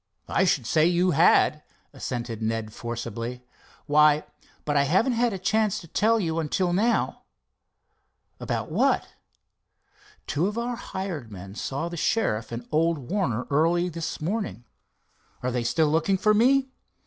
"I should say you had," assented Ned forcibly. "Why—but I haven't had a chance to tell you until now." "What about?" "Two of our hired men saw the sheriff and old Warner early this morning." "Are they still looking for me?"